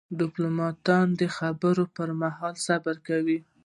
ډيپلومات د خبرو پر مهال صبر کوي.